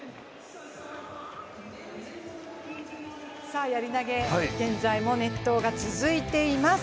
さあやり投、現在も熱投が続いています。